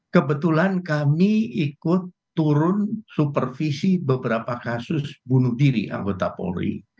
kebetulan kami ikut turun supervisi beberapa kasus bunuh diri anggota polri